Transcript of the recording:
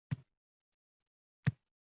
Ajinlar yarashgan xush chiroyligim